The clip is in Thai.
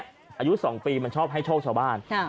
อายุ๒ปีมันชอบให้โชคชาวบ้าน